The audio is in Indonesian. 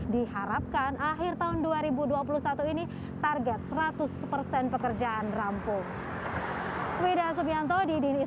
diharapkan akhir tahun dua ribu dua puluh satu ini target seratus persen pekerjaan rampung